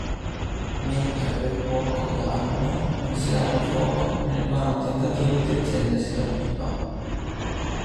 Mentre per poco Dalmor non si dava fuoco nel vano tentativo di accendersi la pipa.